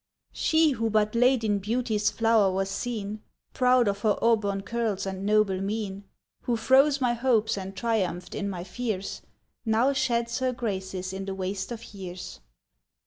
She, who but late in beauty's flower was seen, Proud of her auburn curls and noble mien Who froze my hopes and triumphed in my fears, Now sheds her graces in the waste of years.